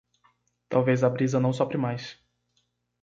Talvez a brisa não sopre mais